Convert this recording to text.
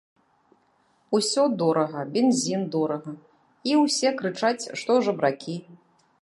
Усё дорага, бензін дорага, і ўсе крычаць, што жабракі.